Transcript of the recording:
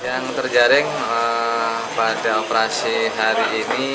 yang terjaring pada operasi hari ini